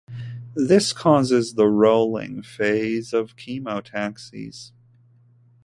This causes the "rolling" phase of chemotaxis.